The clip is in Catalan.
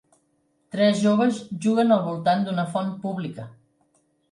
Tres joves juguen al voltant d'una font pública.